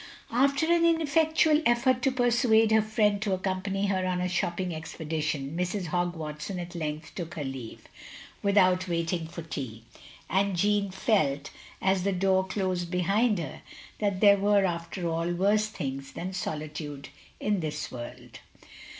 " After an ineffectual effort to persuade her friend to accompany her on a shopping expedition, Mrs. Hogg Watson at length took her leave, without waiting for tea; and Jeanne felt, as the door closed behind her, that there were, after all, worse things than solitude in this world.